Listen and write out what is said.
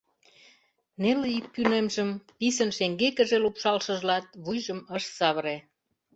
Неле ӱппунемжым писын шеҥгекыже лупшалшыжлат, вуйжым ыш савыре.